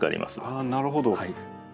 ああなるほど。